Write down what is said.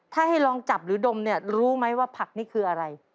ถ้าให้ลองจับหรือดมเนี่ยรู้ไหมว่าผักนี่คืออะไร